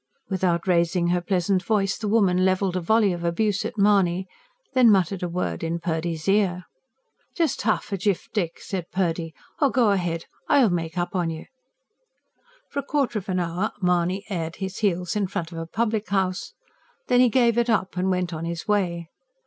Without raising her pleasant voice, the woman levelled a volley of abuse at Mahony, then muttered a word in Purdy's ear. "Just half a jiff, Dick," said Purdy. "Or go ahead. I'll make up on you." For a quarter of an hour Mahony aired his heels in front of a public house. Then he gave it up, and went on his way.